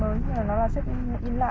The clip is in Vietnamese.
quyển lại sách không nào thì giảm năm mươi ạ